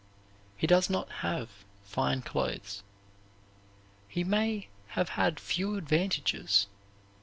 He need not have fine clothes. He may have had few advantages.